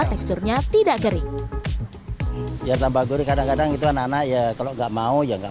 teksturnya tidak gering biar tambah gede kadang kadang itu anak anak ya kalau nggak mau ya